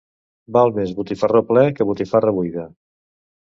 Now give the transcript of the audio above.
Val més botifarró ple que botifarra buida.